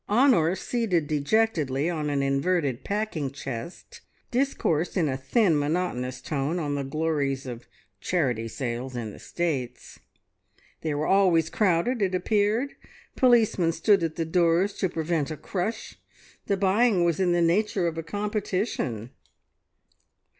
Honor, seated dejectedly on an inverted packing chest, discoursed in a thin, monotonous tone on the glories of charity sales in the States. They were always crowded, it appeared; policemen stood at the doors to prevent a crush; the buying was in the nature of a competition.